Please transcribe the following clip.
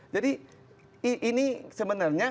jadi ini sebenarnya